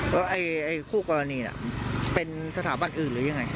ว่าไอ้คู่กรณีเป็นสถาบันอื่นหรือยังไง